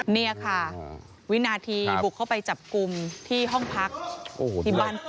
นี่ค่ะวินาทีบุกเข้าไปจับกลุ่มที่ห้องพักที่บ้านปู่